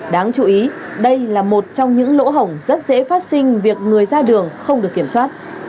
đáng chú ý đây là một trong những lỗ hổng rất dễ phát sinh việc người ra đường không được kiểm soát